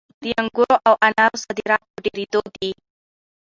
د انګورو او انارو صادرات په ډېرېدو دي.